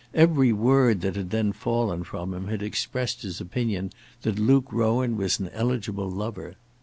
Every word that had then fallen from him had expressed his opinion that Luke Rowan was an eligible lover.